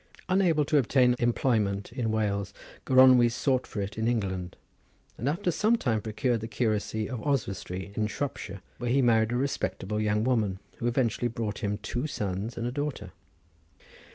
Unable to obtain employment in Wales, Gronwy sought for it in England, and after some time procured the curacy of Oswestry in Shropshire, where he married a respectable young woman, who eventually brought him two sons and a daughter.